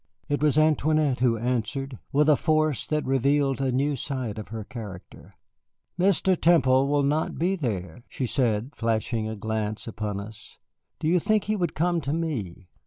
It was Antoinette who answered, with a force that revealed a new side of her character. "Mr. Temple will not be there," she said, flashing a glance upon us. "Do you think he would come to me